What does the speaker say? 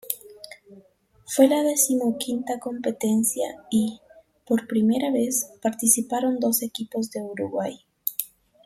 Fue la decimoquinta competencia y, por primera vez, participaron dos equipos de Uruguay.